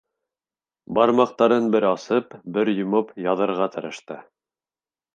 Бармаҡтарын бер асып, бер йомоп яҙырға тырышты.